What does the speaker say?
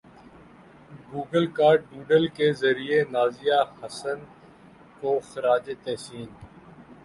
Google کا doodle کے ذریعے نازیہ حسن کو خراج تحسین